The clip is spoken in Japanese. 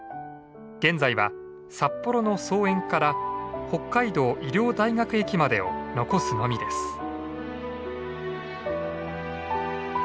現在は札幌の桑園から北海道医療大学駅までを残すのみです。